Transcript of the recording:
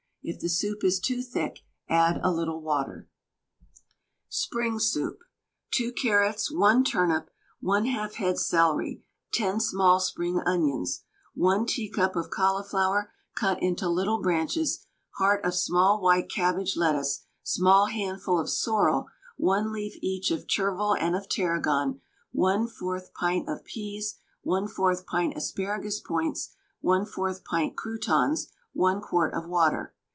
If the soup is too thick, add a little water. SPRING SOUP. 2 carrots, 1 turnip, 1/2 head celery, 10 small spring onions, 1 tea cup of cauliflower cut into little branches, heart of small white cabbage lettuce, small handful of sorrel, 1 leaf each of chervil and of tarragon, 1/4 pint of peas, 1/4 pint asparagus points, 1/4 pint croutons, 1 quart of water.